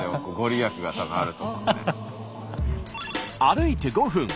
歩いて５分。